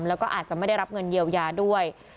แล้วก็อาจจะไม่ได้รับเงินเยียวยาด้วย